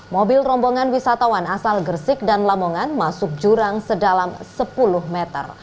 mobil rombongan wisatawan asal gersik dan lamongan masuk jurang sedalam sepuluh meter